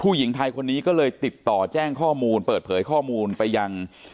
หญิงไทยคนนี้ก็เลยติดต่อแจ้งข้อมูลเปิดเผยข้อมูลไปยัง